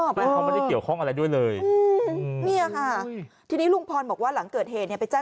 อ้อฟ้าอ้อฟ้าอ้อฟ้าอ้อฟ้าอ้อฟ้า